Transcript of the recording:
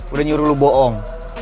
udah nyuruh lo bohong